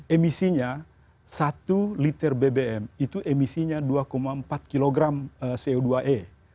emisinya satu liter bbm itu emisinya dua empat kg co dua e